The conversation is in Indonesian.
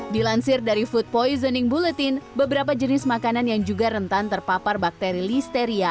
dilansir dari food poisoning buletin beberapa jenis makanan yang juga rentan terpapar bakteri listeria